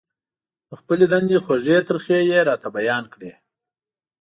د خپلې دندې خوږې ترخې يې راته بيان کړې.